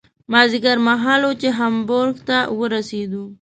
مازدیګر مهال و چې هامبورګ ته ورسېدو.